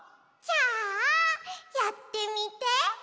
じゃあやってみて。